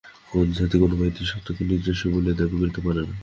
কোন জাতি, কোন ব্যক্তিই সত্যকে নিজস্ব বলিয়া দাবী করিতে পারে না।